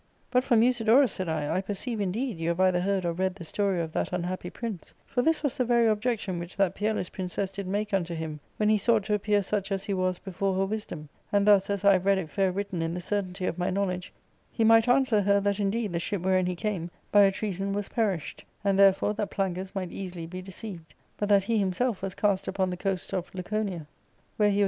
* But for Musidorus,' said I, * I perceive, indeed, you have either heard or read the story of that unhappy prince ; for this was the very objection which that peerless princess did make unto him when he sought to appear such as he was before her wisdom ; and thus as I have read it fair written in the certainty of my knowledge, he might answer her that indeed the ship wherein he came by a treason was perished, and therefore that Plangus might easily be deceived ; but that he himself was cast upon the coast of Laconia, where he was ARCADIA.